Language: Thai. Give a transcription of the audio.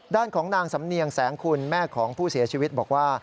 ด้านของนางสำเนียงแสงคุณแม่ของผู้เสียชีวิตบอกว่า